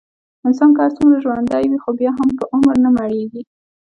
انسان که هرڅومره ژوندی وي، خو بیا هم په عمر نه مړېږي.